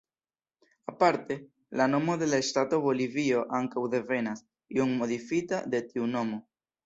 Aparte, la nomo de la ŝtato Bolivio ankaŭ devenas, iom modifita, de tiu nomo.